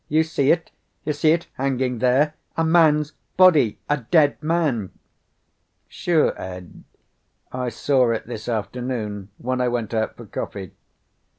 "You see it? You see it hanging there? A man's body! A dead man!" "Sure, Ed. I saw it this afternoon when I went out for coffee."